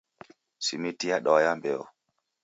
Simiti yadwaya mbeo